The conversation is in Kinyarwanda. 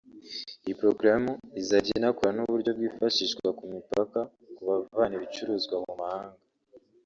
Iyi porogaramu izajya inakorana n’uburyo bwifashishwa ku mipaka ku bavana ibicuruzwa mu mahanga